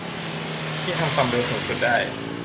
ที่ทำความเร็วสูงสุดได้